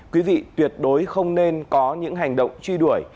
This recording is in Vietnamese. quý vị tuyệt đối không nên có những hành động truy đuổi